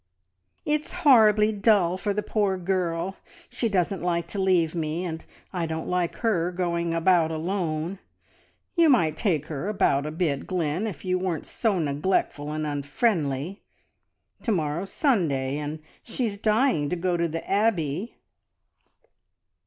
"It's horribly dull for the poor girl! She doesn't like to leave me, and I don't like her going about alone. You might take her about a bit, Glynn, if you weren't so neglectful and unfriendly! To morrow's Sunday, and she's dying to go to the Abbey..."